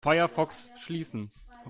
Firefox schließen.